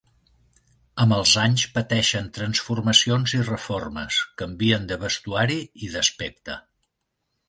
Amb els anys pateixen transformacions i reformes, canvien de vestuari i d'aspecte.